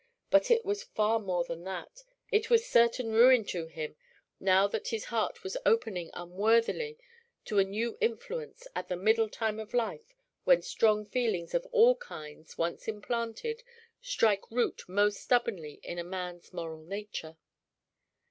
But it was far more than that it was certain ruin to him now that his heart was opening unworthily to a new influence at that middle time of life when strong feelings of all kinds, once implanted, strike root most stubbornly in a man's moral nature.